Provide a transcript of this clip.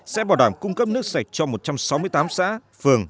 sẽ bảo đảm cung cấp nước sạch cho một trăm sáu mươi tám xã phường